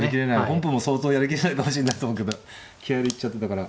本譜も相当やる気しないかもしれないと思うけど気合い入れちゃってたから。